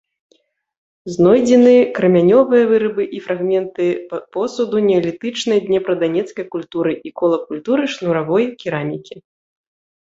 Знойдзены крамянёвыя вырабы і фрагменты посуду неалітычнай днепра-данецкай культуры і кола культуры шнуравой керамікі.